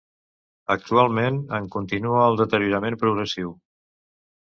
Actualment en continua el deteriorament progressiu.